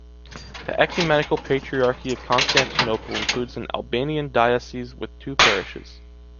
The ecumenical patriarchy of Constantinople includes an Albanian dioceses with two parishes.